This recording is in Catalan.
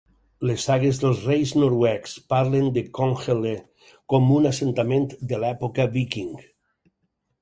Les sagues dels reis noruecs parlen de Konghelle com un assentament de l'època víking.